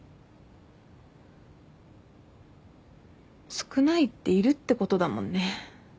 少ないっているってことだもんね。